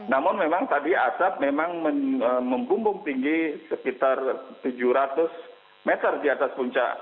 namun memang tadi asap memang membumbung tinggi sekitar tujuh ratus meter di atas puncak